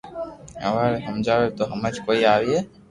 ھواري ھمجاوي تو ھمج ڪوئي آوئي